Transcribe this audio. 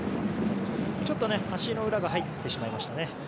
ちょっと足の裏が入ってしまいましたね。